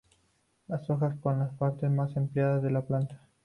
Las hojas son la parte más empleada de la planta.